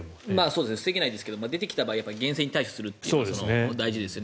防げないですけど出てきた場合厳正に対処することが大事ですよね。